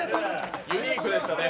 ユニークでしたね。